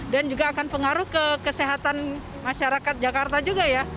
dan juga akan pengaruh kekesehatan masyarakat jakarta juga ya